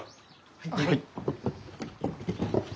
はい。